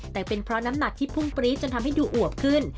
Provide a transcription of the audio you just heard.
แต่เป็นเพราะน้ำหนักที่พุ่งปรี๊ดจนทำให้ดูอวบขึ้น